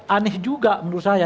aneh juga menurut saya